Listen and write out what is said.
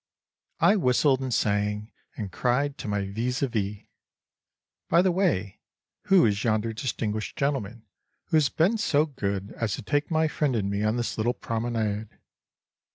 I whistled and sang and cried to my vis à vis: "By the way, who is yonder distinguished gentleman who has been so good as to take my friend and me on this little promenade?"